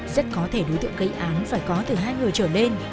rất có thể đối tượng gây án phải có từ hai người trở lên